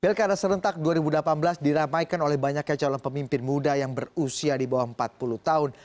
pilkada serentak dua ribu delapan belas diramaikan oleh banyaknya calon pemimpin muda yang berusia di bawah empat puluh tahun